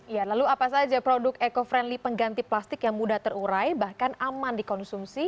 ya lalu apa saja produk eco friendly pengganti plastik yang mudah terurai bahkan aman dikonsumsi